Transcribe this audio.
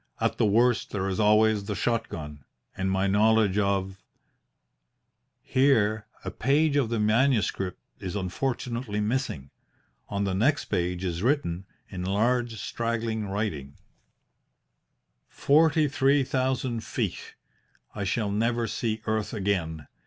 At the worst there is always the shot gun and my knowledge of ..." Here a page of the manuscript is unfortunately missing. On the next page is written, in large, straggling writing: "Forty three thousand feet. I shall never see earth again.